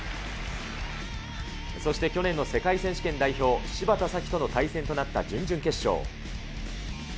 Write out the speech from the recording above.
そして去年の世界選手権代表、芝田沙季との対戦となった準々決勝。